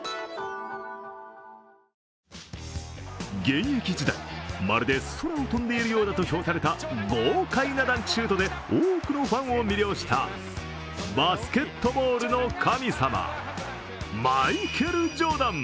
現役時代、まるで空を飛んでいるようだと評された豪快なダンクシュートで多くのファンを魅了したバスケットボールの神様、マイケル・ジョーダン。